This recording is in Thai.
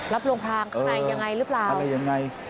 โรงพรางข้างในยังไงหรือเปล่าอะไรยังไง